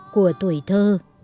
của tuổi thơ